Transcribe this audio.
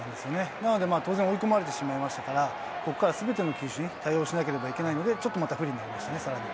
なので、当然、追い込まれてしまいましたから、ここからすべての球種に対応しなければいけないので、ちょっとまた不利になりましたね、さらに。